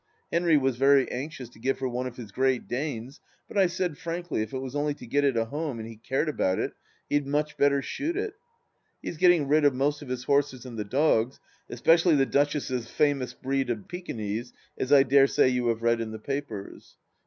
Henry was very anxious to give her one of his Great Danes, but I said frankly, if it was only to get it a home and he cared about it, he had much better shoot it. He is getting rid of most of his horses and the dogs, especially the Duchess' famous breed of Pekingese, as I dare say you have read in the papers.